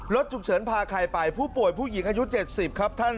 รถฉุกเฉินพาใครไปผู้ป่วยผู้หญิงอายุ๗๐ครับท่าน